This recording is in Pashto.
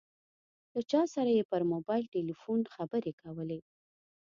له چا سره یې پر موبایل ټیلیفون خبرې کولې.